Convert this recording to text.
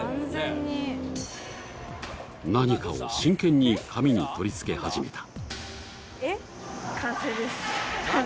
何かを真剣に髪に取り付け始めた。